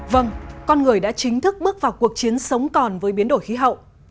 vâng con người đã chính thức bước vào cuộc chiến sống còn với biến đổi khí hậu